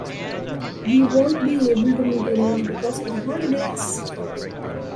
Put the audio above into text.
We won't be able to meet anyone because of the holidays.